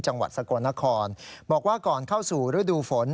จังหวัดสกลนครบอกว่าก่อนเข้าสู่ฤดูฝน